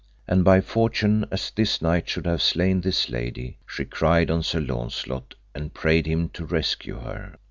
And by fortune as this knight should have slain this lady, she cried on Sir Launcelot and prayed him to rescue her.